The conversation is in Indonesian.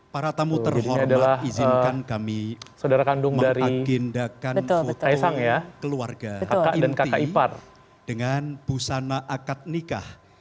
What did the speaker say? para tamu terhormat izinkan kami mengagendakan foto keluarga inti dengan busana akad nikah